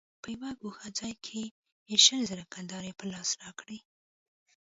په يوه گوښه ځاى کښې يې شل زره کلدارې په لاس راکړې.